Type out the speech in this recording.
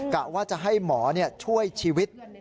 กะว่าจะให้หมอช่วยชีวิต